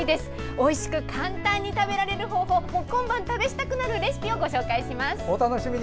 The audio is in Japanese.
おいしく簡単に食べられる方法今晩試したくなるレシピをご紹介します。